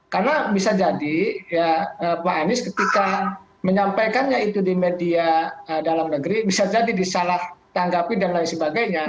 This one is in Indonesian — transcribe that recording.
karena bisa jadi ya pak anies ketika menyampaikannya itu di media dalam negeri bisa jadi disalah tanggapi dan lain sebagainya